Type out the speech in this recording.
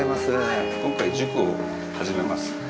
今回塾を始めます。